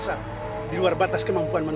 sampai jumpa di video selanjutnya